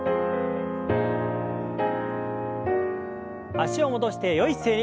脚を戻してよい姿勢に。